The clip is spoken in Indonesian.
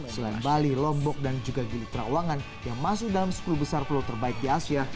selain bali lombok dan juga gilitra uangan yang masuk dalam sepuluh besar pulau terbaik di asia